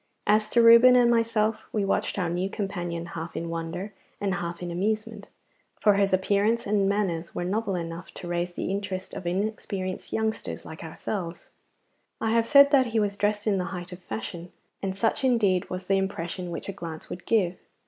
As to Reuben and myself, we watched our new companion half in wonder and half in amusement, for his appearance and manners were novel enough to raise the interest of inexperienced youngsters like ourselves. I have said that he was dressed in the height of fashion, and such indeed was the impression which a glance would give.